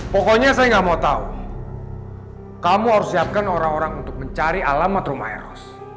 pokoknya saya gak mau tahu kamu harus siapkan orang orang untuk mencari alamat rumah eros